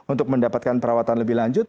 untuk mendapatkan perawatan lebih lanjut